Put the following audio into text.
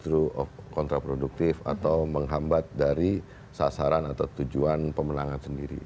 jadi itu bisa jadi hal yang lebih produktif atau menghambat dari sasaran atau tujuan pemenangan sendiri